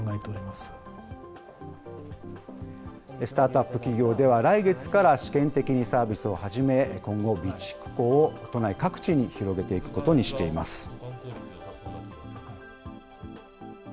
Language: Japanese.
スタートアップ企業では、来月から試験的にサービスを始め、今後、備蓄庫を都内各地に広げていくことにしています。